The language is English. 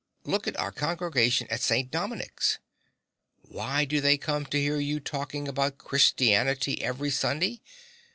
Look at our congregation at St. Dominic's! Why do they come to hear you talking about Christianity every Sunday?